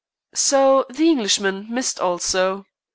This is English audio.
So the Englishman missed also.